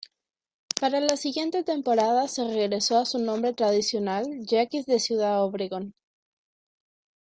Para la siguiente temporada se regresó a su nombre tradicional Yaquis de Ciudad Obregón.